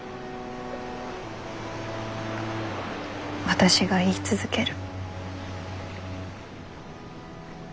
私が言い続ける。